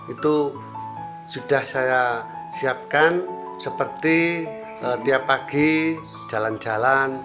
itu sudah saya siapkan seperti tiap pagi jalan jalan